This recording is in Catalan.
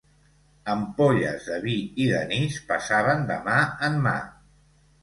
Ampolles de vi i d'anís passaven de mà en mà.